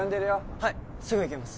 はいすぐ行きます